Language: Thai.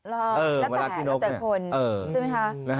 แล้วก็หน้ากับคนอย่างแบบนี้